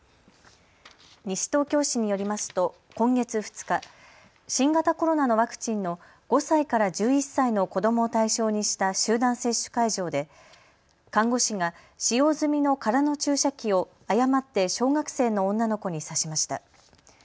西東京市によりますと今月２日、新型コロナのワクチンの５歳から１１歳の子どもを対象にした集団接種会場で看護師が使用済みの空の注射器を誤って小学生の女の子に刺しました。